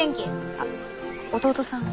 あっ弟さんは？